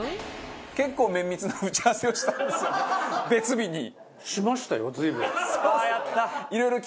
結構綿密な打ち合わせをしたんですよね別日に。